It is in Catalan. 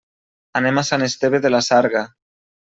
Anem a Sant Esteve de la Sarga.